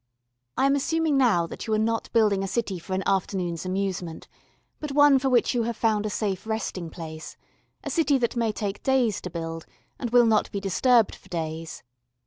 I am assuming now that you are not building a city for an afternoon's amusement, but one for which you have found a safe resting place a city that may take days to build and will not be disturbed for days.